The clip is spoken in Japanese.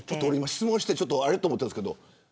質問してあれっと思ったんですけど